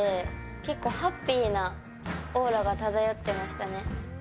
結構、ハッピーなオーラが漂ってましたね。